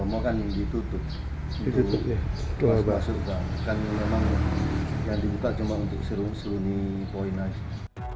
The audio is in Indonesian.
kan memang yang dibuka cuma untuk serung serungi poin aja